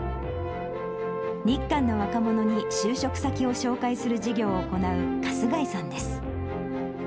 日韓の若者に就職先を紹介する事業を行う春日井さんです。